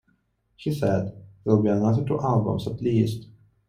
He said, There'll be another two albums at least.